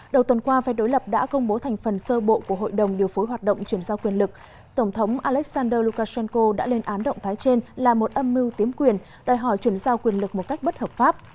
đã công bố thành phần sơ bộ của hội đồng điều phối hoạt động chuyển giao quyền lực tổng thống alexander lukashenko đã lên án động thái trên là một âm mưu tiếm quyền đòi hỏi chuyển giao quyền lực một cách bất hợp pháp